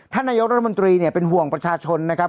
ท่านนายกรัฐมนตรีเนี่ยเป็นห่วงประชาชนนะครับ